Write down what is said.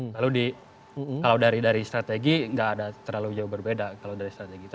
lalu kalau dari strategi nggak ada terlalu jauh berbeda kalau dari strategi